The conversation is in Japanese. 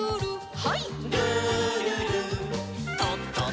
はい。